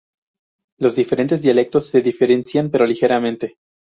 Los diferentes dialectos se diferencian, pero ligeramente.